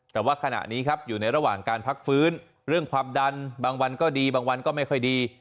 แต่ว่าขณะนี้ครับอยู่ในระหว่างการพักฟื้นเรื่องความดันบางวันก็ดีบางวันก็ไม่ค่อยดี